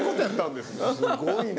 すごいな。